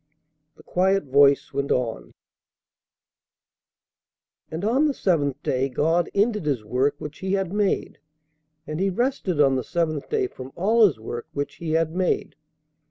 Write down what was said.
The quiet voice went on: "And on the seventh day God ended his work which he had made; and he rested on the seventh day from all his work which he had made.